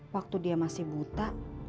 waktu dia masih buta